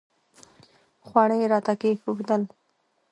خواړه یې راته کښېښودل.